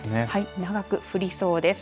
長く降りそうです。